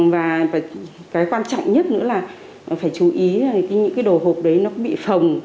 và cái quan trọng nhất nữa là phải chú ý những cái đồ hộp đấy nó bị phồng